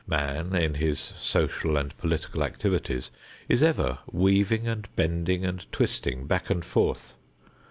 Man in his social and political activities is ever weaving and bending and twisting back and forth.